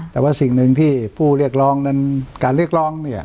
แต่ว่าสิ่งหนึ่งที่ผู้เรียกร้องนั้นการเรียกร้องเนี่ย